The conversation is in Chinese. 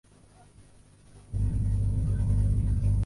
毗尸罗婆迎娶持力仙人。